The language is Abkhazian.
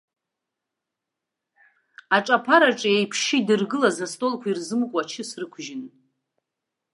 Аҿаԥараҿ еиԥшьы идыргылаз астолқәа ирзымкуа ачыс рықәжьын.